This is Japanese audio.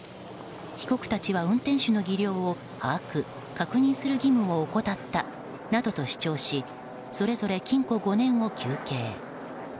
被告たちは運転手の技量を把握・確認する義務を怠ったと主張しそれぞれ禁固５年を求刑。